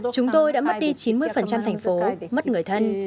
chúng tôi đã mất đi chín mươi thành phố mất người thân